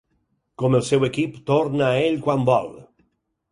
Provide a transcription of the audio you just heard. Com el seu equip torna a ell quan vol.